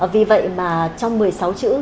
vì vậy mà trong một mươi sáu chữ